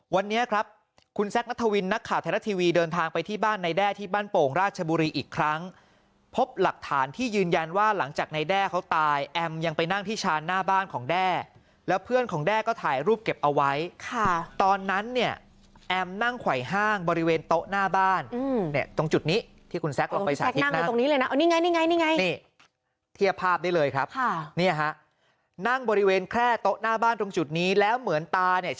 วันนี้ครับคุณแซคนัทวินนักข่าวแทรกทีวีเดินทางไปที่บ้านนายแด้ที่บ้านโป่งราชบุรีอีกครั้งพบหลักฐานที่ยืนยันว่าหลังจากนายแด้เขาตายแอมยังไปนั่งที่ชานหน้าบ้านของแด้แล้วเพื่อนของแด้ก็ถ่ายรูปเก็บเอาไว้ตอนนั้นเนี่ยแอมนั่งไข่ห้างบริเวณโต๊ะหน้าบ้านตรงจุดนี้ที่คุณแซค